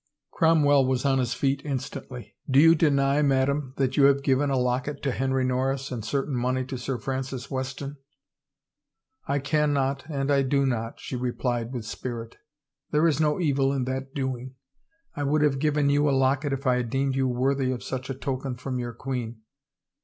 Cromwell was on his feet instantly, Do you deny, madame, that you have given a locket to Henry Norris and certain money to Sir Francis Weston ?"" I can not and I do not," she replied with spirit. " There is no evil in that doing — I would have given you a locket if I had deemed you worthy such a token from your queen.